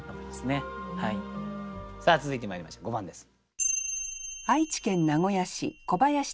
さあ続いてまいりましょう５番です。